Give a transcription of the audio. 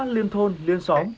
liên thôn liên xóm